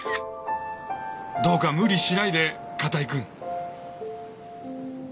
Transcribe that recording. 「どうか無理しないで片居くん」